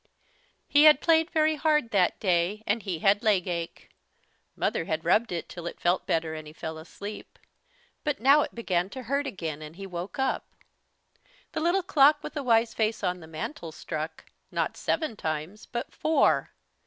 He had played very hard that day and he had leg ache. Mother had rubbed it till it felt better and he fell asleep, but now it began to hurt again and he woke up. The Little Clock with the Wise Face on the Mantel struck, not seven times but four.